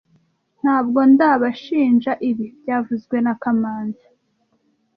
Ntabwo ndabashinja ibi byavuzwe na kamanzi